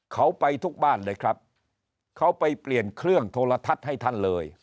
เขาไปทุกบ้านเลยครับเขาไปเปลี่ยนเครื่องโทรทัศน์ให้ท่านเลย